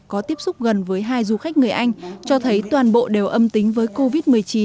có tiếp xúc gần với hai du khách người anh cho thấy toàn bộ đều âm tính với covid một mươi chín